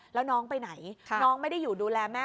แล้วน้องไปไหนน้องไม่ได้อยู่ดูแลแม่